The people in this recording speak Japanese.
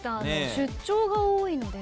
出張が多いので。